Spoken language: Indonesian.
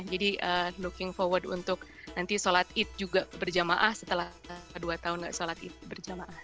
jadi looking forward untuk nanti sholat id juga berjamaah setelah dua tahun tidak sholat id berjamaah